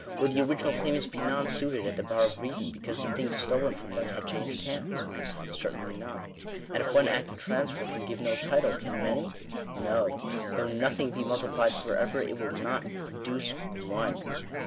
Would the original claimants be nonsuited at the bar of reason, because the thing stolen from them had changed hands? Certainly not. And if one act of transfer can give no title, can many ? No : though nothing be multiplied for ever, it will not produce one.